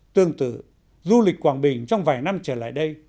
tương tự du lịch quảng bình trong vài năm trở lại đây